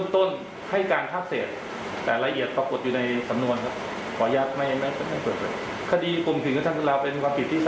ที่ถูกพัดทิศ